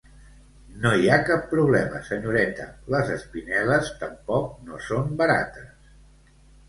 No hi ha cap problema senyoreta, les espinel·les tampoc no són barates.